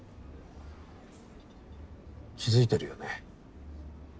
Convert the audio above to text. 気付いてるよね？